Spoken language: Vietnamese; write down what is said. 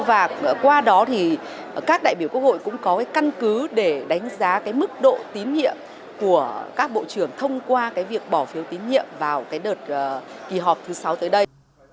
và qua đó thì các đại biểu quốc hội cũng có căn cứ để đánh giá mức độ tín nhiệm của các bộ trưởng thông qua việc bỏ phiếu tín nhiệm vào đợt kỳ họp thứ sáu tới đây